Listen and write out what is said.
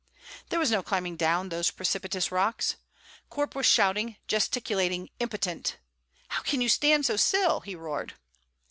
There was no climbing down those precipitous rocks. Corp was shouting, gesticulating, impotent. "How can you stand so still?" he roared.